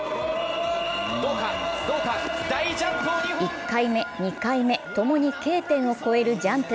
１回目、２回目ともにＫ点を越えるジャンプ。